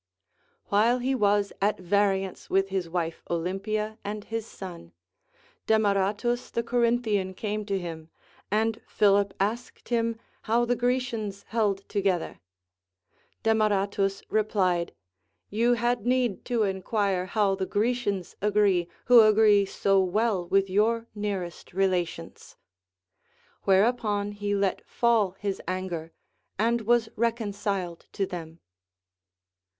While he was at variance with his wife Olympia and his son, Demaratus the Corinthian came to him, and Philip asked 198 THE APOPHTHEGMS OF KINGS him how the Grecians held together. Demaratus repUed : You had need to enquire how the Grecians agree, who aaree so well with your nearest relations. AVhereupon he let fall his anger, and Avas reconciled to them.